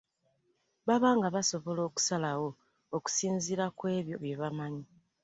Baba nga basobola okusalawo okusinziira ku ebyo bye bamanyi.